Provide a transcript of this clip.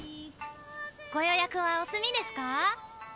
ご予約はお済みですか？